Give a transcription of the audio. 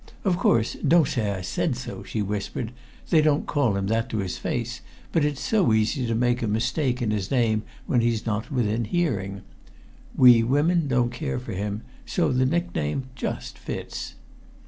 "Of course, don't say I said so," she whispered. "They don't call him that to his face, but it's so easy to make a mistake in his name when he's not within hearing. We women don't care for him, so the nickname just fits."